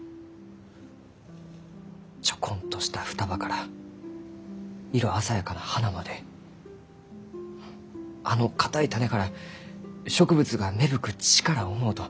ちょこんとした双葉から色鮮やかな花まであの硬い種から植物が芽吹く力を思うと胸が熱うなります。